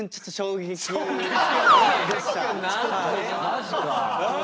マジか。